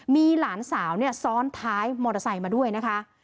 มีหลานสาวเนี่ยซ้อนท้ายมอเตอร์ไซค์มาด้วยนะคะ